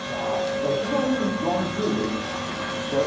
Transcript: じゃあ千鳥ワンツーでいっちゃう？